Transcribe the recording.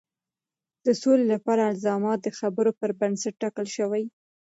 د سولې لپاره الزامات د خبرو پر بنسټ ټاکل شوي.